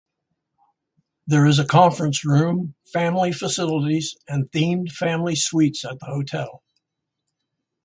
There is a conference room, family facilities and themed family suites at the hotel.